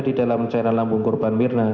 di dalam cairan lambung korban mirna